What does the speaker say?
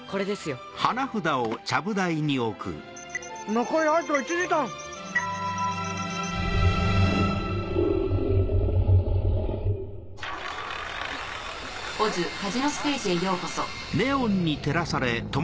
ＯＺカジノステージへようこそ。